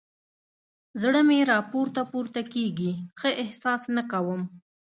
زړه مې راپورته پورته کېږي؛ ښه احساس نه کوم.